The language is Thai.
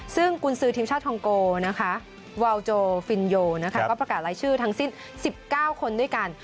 ซึ่งกุญสือทีมชาติทองโกนะคะวาวโจฟินโยก็ประกาศรายชื่อทั้งสิ้น๑๙คนด้วยกัน